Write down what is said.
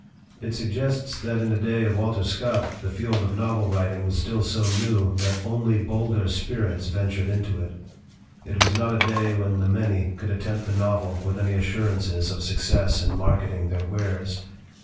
It suggests that in the day of Walter Scott the field of novel writing was still so new that only bolder spirits ventured into it. It was not a day when the many could attempt the novel with any assurances of success in marketing their wares.